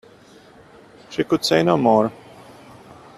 She could say no more.